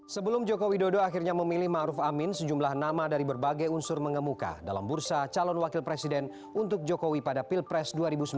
sebelum jokowi dodo akhirnya memilih ⁇ maruf ⁇ amin sejumlah nama dari berbagai unsur mengemuka dalam bursa calon wakil presiden untuk jokowi pada pilpres dua ribu sembilan belas